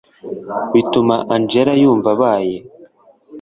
bituma angella yumva abaye